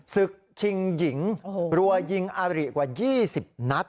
ศึกชิงหญิงรัวยิงอาริกว่า๒๐นัด